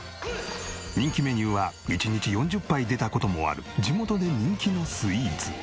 人気メニューは１日４０杯出た事もある地元で人気のスイーツ。